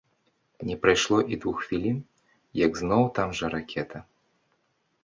Не прайшло і двух хвілін, як зноў там жа ракета.